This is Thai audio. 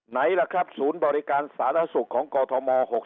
ไหนล่ะครับศูนย์บริการสารสุขของกม